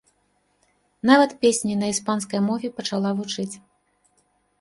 Нават песні на іспанскай мове пачала вучыць.